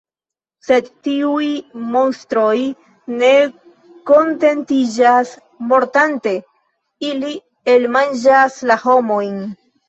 Sed tiuj monstroj ne kontentiĝas mordante, ili elmanĝas la homojn!